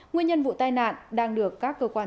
nguyên nhân vụ tai nạn đang được các cơ quan